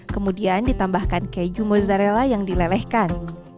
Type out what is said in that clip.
kemudian ditambahkan keju mozzarella yang dilelehkan